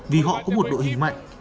vì họ có một đội hình mạnh